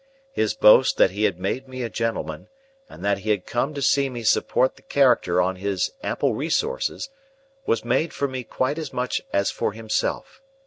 His boast that he had made me a gentleman, and that he had come to see me support the character on his ample resources, was made for me quite as much as for himself.